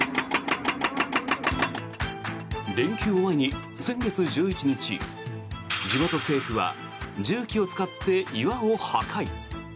連休を前に先月１１日地元政府は重機を使って岩を破壊。